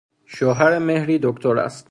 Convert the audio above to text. شوهر مهری دکتر است.